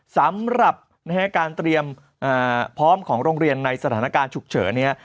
สำหรับการเตรียมพร้อมของโรงเรียนในสถานการณ์ฉุกเฉิน